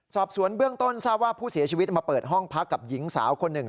สอบสวนเบื้องต้นทราบว่าผู้เสียชีวิตมาเปิดห้องพักกับหญิงสาวคนหนึ่ง